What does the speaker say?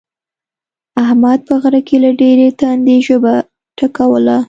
احمد په غره کې له ډېرې تندې ژبه ټکوله.